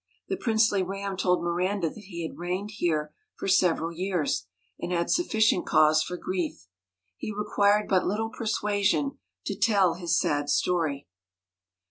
The princely Ram told Miranda that he had reigned here for several years, and had sufficient cause for grief. He required but little persuasion to tell his sad story.